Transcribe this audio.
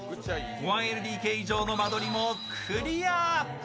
１ＬＤＫ以上の間取りもクリア。